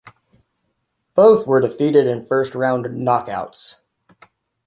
Both were defeated in first-round knockouts.